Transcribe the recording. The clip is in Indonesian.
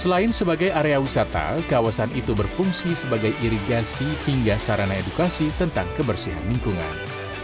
selain sebagai area wisata kawasan itu berfungsi sebagai irigasi hingga sarana edukasi tentang kebersihan lingkungan